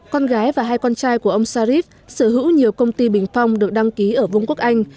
con gái và hai con trai của ông sarif sở hữu nhiều công ty bình phong được đăng ký ở vương quốc anh